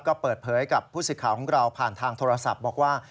ก็เปิดเผยกับผู้สิทธิ์ข่าวของเราผ่านทางโทรศัพท์บอกว่า